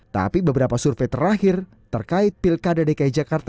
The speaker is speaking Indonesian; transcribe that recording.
tapi beberapa survei terakhir terkait pilkada dki jakarta